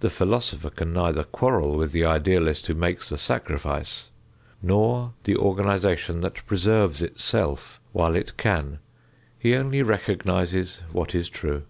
The philosopher can neither quarrel with the idealist who makes the sacrifice nor the organization that preserves itself while it can; he only recognizes what is true.